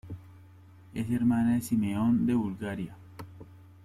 Es hermana de Simeón de Bulgaria.